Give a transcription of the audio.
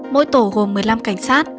mỗi tổ gồm một mươi năm cảnh sát